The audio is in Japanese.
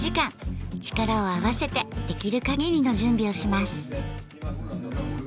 力を合わせてできる限りの準備をします。